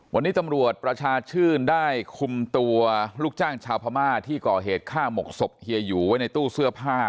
วันนี้ตำรวจประชาชื่นได้คุมตัวลูกจ้างชาวพม่าที่ก่อเหตุฆ่าหมกศพเฮียหยูไว้ในตู้เสื้อผ้า